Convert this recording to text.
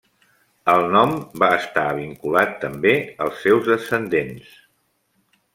El nom va estar vinculat també als seus descendents.